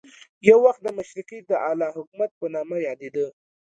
یو وخت د مشرقي د اعلی حکومت په نامه یادېده.